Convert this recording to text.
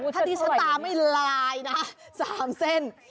ถ้าที่ฉันตามให้ไลน์นะคะ๓เส้น